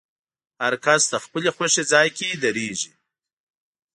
هر کس د خپلې خوښې ځای کې درېږي.